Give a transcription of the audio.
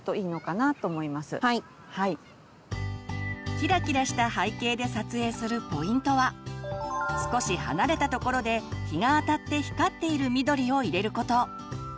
キラキラした背景で撮影するポイントは少し離れたところで日があたって光っている緑を入れること。